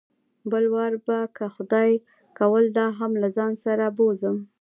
بل وار به که خدای کول دا هم له ځان سره بوځم.